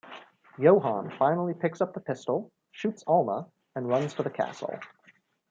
Johan finally picks up the pistol, shoots Alma and runs to the castle.